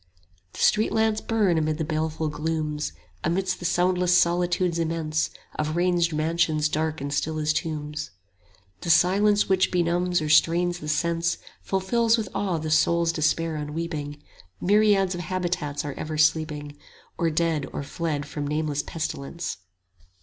The street lamps burn amid the baleful glooms, Amidst the soundless solitudes immense Of ranged mansions dark and still as tombs. 45 The silence which benumbs or strains the sense Fulfils with awe the soul's despair unweeping: Myriads of habitants are ever sleeping, Or dead, or fled from nameless pestilence!